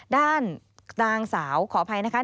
ด้านนางสาวขออภัยนะคะ